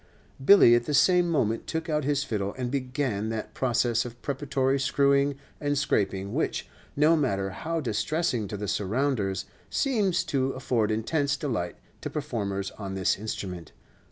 Billy at the same moment took out his fiddle and began that process of preparatory screwing and scraping which, no matter how distressing to the surrounders, seems to afford intense delight to performers on this instrument.